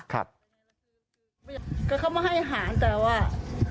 ก็เขาไม่ให้อาหารแต่ว่า